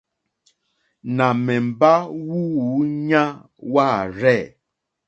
Nà mèmbá wúǔɲá wârzɛ̂.